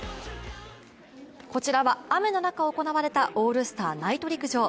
こちらは雨の中、行われたオールスターナイト陸上。